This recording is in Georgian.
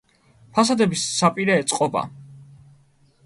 ფასადების საპირე წყობა.